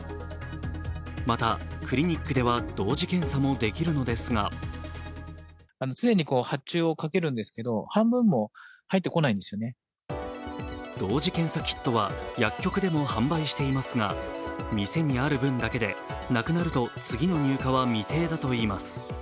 また、クリニックでは同時検査もできるのですが同時検査キットは薬局でも販売していますが店にある分だけで、なくなると次の入荷は未定だといいます。